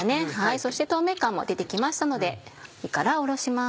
そして透明感も出て来ましたので火から下ろします。